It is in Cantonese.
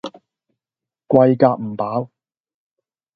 貴夾唔飽